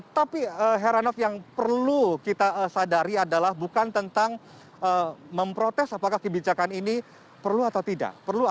tapi heranov yang perlu kita sadari adalah bukan tentang memprotes apakah kebijakan ini perlu atau tidak